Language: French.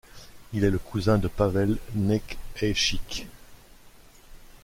Il est le cousin de Pavel Nekhaychik.